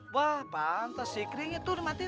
wah pantas si kering itu udah mati